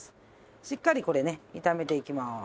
しっかりこれね炒めていきます。